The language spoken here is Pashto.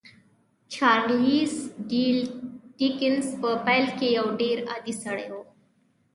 چارلیس ډیکنز په پیل کې یو ډېر عادي سړی و